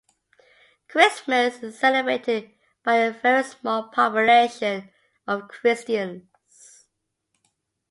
Christmas is celebrated by a very small population of Christians.